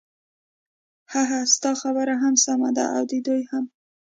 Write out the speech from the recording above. ههه ستا خبره هم سمه ده او د دوی هم.